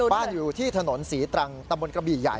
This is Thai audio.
อยู่ที่ถนนศรีตรังตำบลกระบี่ใหญ่